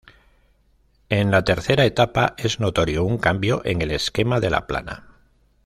En la tercera etapa es notorio un cambio en el esquema de la plana.